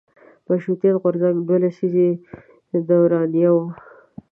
مشروطیت غورځنګ دوه لسیزې دورانیه وه.